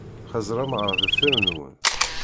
Xeẓẓṛem ar deffir-nwen.